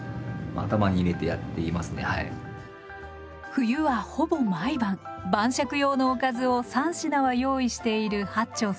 冬はほぼ毎晩晩酌用のおかずを３品は用意している八町さん。